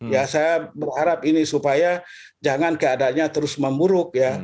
ya saya berharap ini supaya jangan keadanya terus memburuk ya